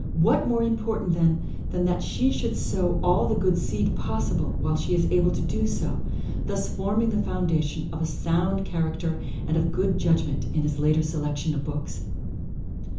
What more import ant then, than that she should sow all the good seed possible while she is able to do so, thus forming the foundation of a sound charac ter and of good judgment in his later selection of books?